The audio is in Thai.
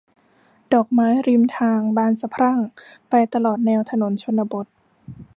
ดอกไม้ริมทางบานสะพรั่งไปตลอดแนวถนนชนบท